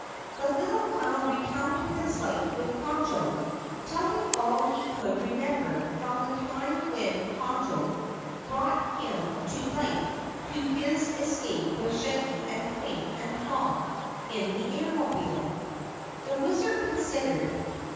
The little clown recounted his life with Conjo, telling all he could remember from the time when Conjo brought him to life to his escape with Shaggy and Twink and Tom in the Airmobile. The Wizard considered.